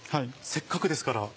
せっかくですから。